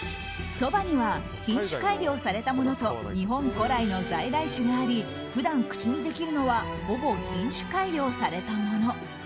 そばには品種改良されたものと日本古来の在来種があり普段、口にできるのはほぼ品種改良されたもの。